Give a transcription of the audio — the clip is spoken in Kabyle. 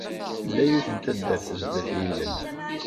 Tella yiwet n taddart sdat yilel.